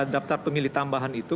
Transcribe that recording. daptar pemilih tambahan itu